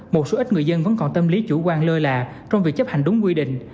một số ít người dân vẫn còn tâm lý chủ quan lơ là trong việc chấp hành đúng quy định